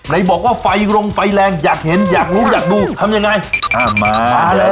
ในบอกว่าไฟลงไฟแรงอยากเห็นอยากลุกอยากดูทำยังไงอ้าวมา